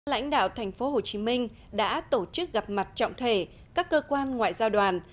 lãnh đạo thành phố hồ chí minh đã tổ chức gặp mặt trọng thể các cơ quan ngoại giao đoàn